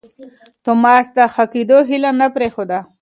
توماس د ښه کېدو هیله نه پرېښوده.